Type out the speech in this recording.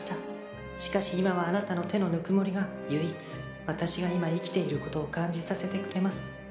しかし今はあなたの手のぬくもりが唯一わたしが今生きていることを感じさせてくれます。